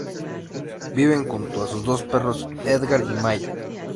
Viven junto a sus dos perros, Edgar y Maya.